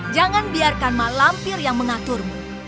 jangan biarkan malampir yang mengaturmu